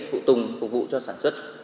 phụ tùng phục vụ cho sản xuất